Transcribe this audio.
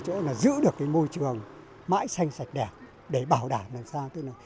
chỗ giữ được môi trường mãi xanh sạch đẹp để bảo đảm làm sao